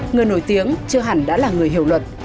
người nổi tiếng chưa hẳn đã là người hiểu luật